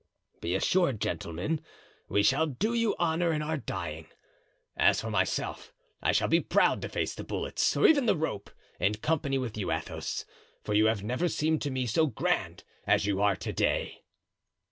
Be assured, gentlemen, we shall do you honor in our dying. As for myself, I shall be proud to face the bullets, or even the rope, in company with you, Athos; for you have never seemed to me so grand as you are to day."